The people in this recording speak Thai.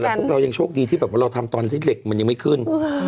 แต่เรายังโชคดีเราทำตอนที่เหล็กมันยังไม่ขึ้น